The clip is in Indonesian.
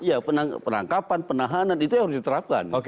ya penangkapan penahanan itu yang harus diterapkan